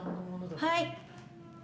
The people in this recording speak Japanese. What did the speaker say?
はい。